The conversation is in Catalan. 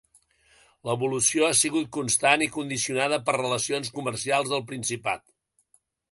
L'evolució ha sigut constant i condicionada per relacions comercials del Principat.